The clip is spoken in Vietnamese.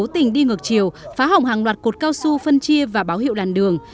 tỉnh đi ngược chiều phá hỏng hàng loạt cột cao su phân chia và báo hiệu đàn đường